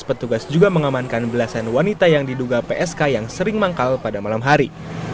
petugas juga mengamankan belasan wanita yang diduga psk yang sering manggal pada malam hari